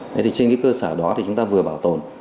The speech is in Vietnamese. thế thì trên cái cơ sở đó thì chúng ta vừa bảo tồn